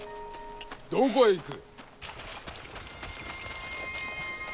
どこへ行く。